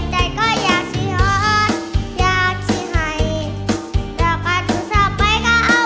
เด่าการสุภาไปกะเอ้า